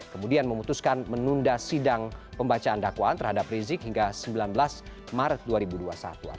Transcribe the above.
kemudian memutuskan menunda sidang pembacaan dakwaan terhadap rizik hingga sembilan belas maret dua ribu dua puluh satu